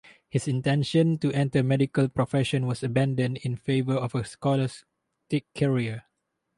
His intention to enter medical profession was abandoned in favour of a scholastic career.